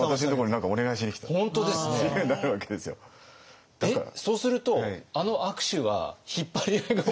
えっそうするとあの握手は引っ張り合いが行われてる？